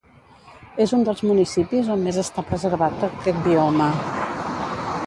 És un dels municipis on més està preservat aquest bioma.